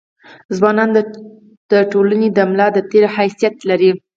ځوانان د ټولني د ملا د تیر حيثيت لري.